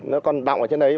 nó còn đọng ở trên đấy